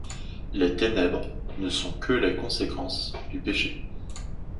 Les ténèbres ne sont que les conséquences du péché.